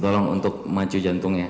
tolong untuk macu jantungnya